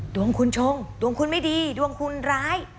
ดวงคุณชงดวงคุณไม่ดีดวงคุณร้าย